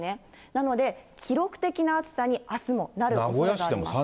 なので、記録的な暑さにあすもなるおそれがあります。